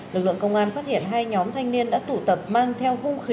lực lượng công an phát hiện hai nhóm thanh niên đã tụ tập mang theo hung khí